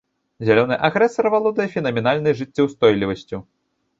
Зялёны агрэсар валодае фенаменальнай жыццеўстойлівасцю.